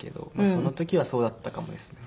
その時はそうだったかもですね。